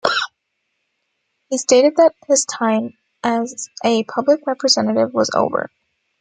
He stated that his time as a public representative was over.